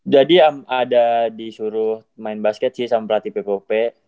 jadi ada disuruh main basket sih sama pelatih ppop